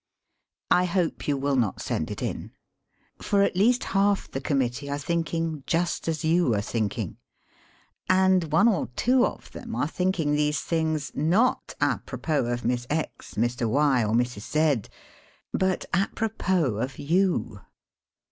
I hope you will not send it in. For at least half the Committee are thinking just as you are thinking. And one or two of thera are thioliing these things, not apropos of Miss X, Mr. Y, or Mrs, Z, but apropas of you!